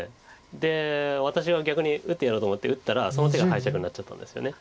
で私が逆に打ってやろうと思って打ったらその手が敗着になっちゃったんですよね。